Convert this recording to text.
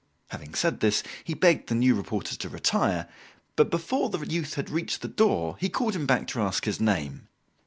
Having said this, he begged the new reporter to retire, but before the youth had reached the door he called him back to ask his name.